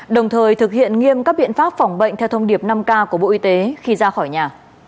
đồng thời thực hiện nghiêm các biện pháp phòng bệnh theo thông điệp năm k của bộ y tế khi ra khỏi nhà